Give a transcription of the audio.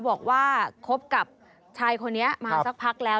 บอกว่าคบกับชายคนนี้มาสักพักแล้ว